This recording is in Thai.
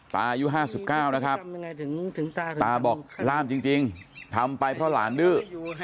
ตายู่ห้าสิบเก้านะครับตาบอกร่ามจริงทำไปเพราะหลานดื้อ